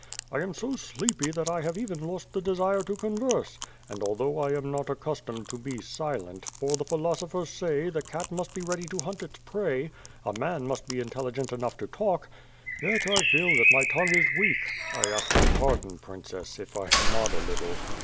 I am so sleepy that I have even lost the d(^ire to converse and, although I am not accustomed to be silent — for the philosophers say ^the cat must be ready to hunt its prey, a man must be intelligent enough to talk' — yot I feel that my tongue is weak; I ask your pardon. Princess, if T nod a little."